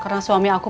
karena suami aku